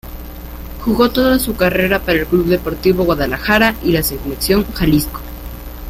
Jugó toda su carrera para el Club Deportivo Guadalajara y la Selección Jalisco.